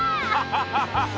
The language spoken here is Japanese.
ハハハハ！